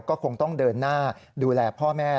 ก็คงต้องเดินหน้าดูแลพ่อแม่